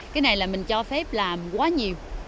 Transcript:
cái này là mình cho phép làm quá nhiều